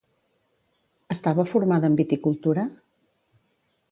Estava formada en viticultura?